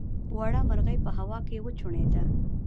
وړه مرغۍ په هوا کې وچوڼېده.